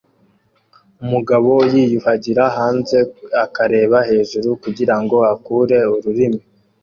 Umugabo yiyuhagira hanze akareba hejuru kugirango akure ururimi